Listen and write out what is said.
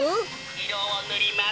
いろをぬります。